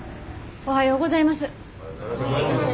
おはようございます。